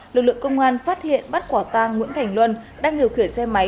lực lượng công an phát hiện bắt quả tang nguyễn thành luân đang điều khiển xe máy